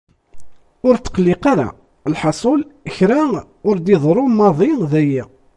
Ur ttqelliq ara! Lḥaṣun kra ur d-iḍerru maḍi dayi.